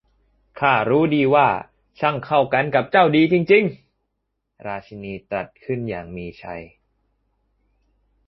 'ข้ารู้ดีว่า ช่างเข้ากันกับเจ้าดีจริง ๆ ! ' ราชินีตรัสขึ้นอย่างมีชัย